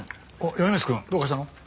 米光くんどうかしたの？